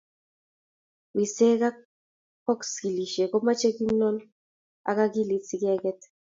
Wiseek ab boskilit komeche kimnon ak akilit si keket.